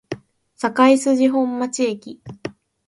堺筋本町駅